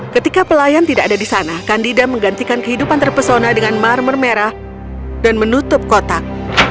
ketika pelayan tidak ada di sana kandida menggantikan kehidupan terpesona dengan marmer merah dan menutup kotak